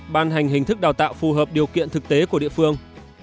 ban hành hình thức đào tạo phù hợp điều kiện thực tế của địa phương